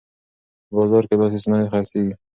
په بازار کې لاسي صنایع خرڅیږي.